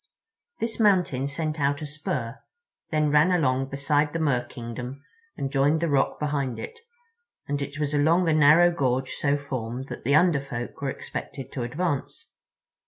This mountain sent out a spur, then ran along beside the Merkingdom and joined the rock behind it; and it was along the narrow gorge so formed that the Under Folk were expected to advance.